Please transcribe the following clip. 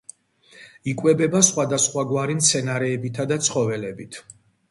იკვებება სხვადასხვაგვარი მცენარეებითა და ცხოველებით.